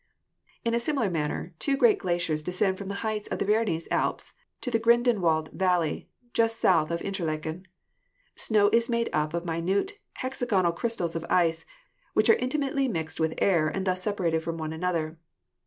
In a similar manner two great glaciers descend from the heights of the Bernese Alps to the Grin delwald valley just south of Interlaken." Snow is made up of minute, hexagonal crystals of ice, which are intimately mixed with air and thus separated from one another.